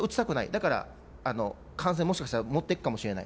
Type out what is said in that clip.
だから感染もしかしたら持っていくかもしれない。